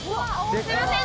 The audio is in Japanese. すいません